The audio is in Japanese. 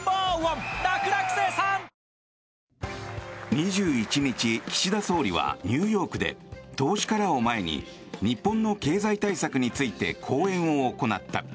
２１日岸田総理はニューヨークで投資家らを前に日本の経済対策について講演を行った。